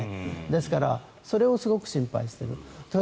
ですからそれをすごく心配している。